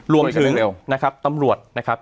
รวมถึงนะครับตำรวจนะครับ